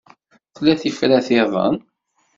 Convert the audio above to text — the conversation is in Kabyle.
Tella tifrat-iḍen.